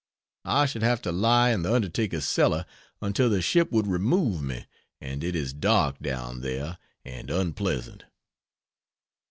I should have to lie in the undertaker's cellar until the ship would remove me and it is dark down there and unpleasant.